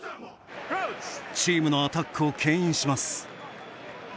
チームのアタックをけん引します。